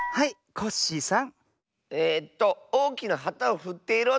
コッシーさん